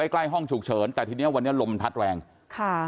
ใกล้ห้องฉุกเฉินแต่ทีเนี้ยวันนี้ลมพัดแรงค่ะ